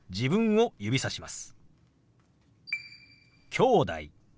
「きょうだい」。